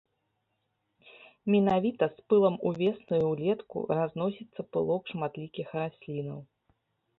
Менавіта з пылам увесну і ўлетку разносіцца пылок шматлікіх раслінаў.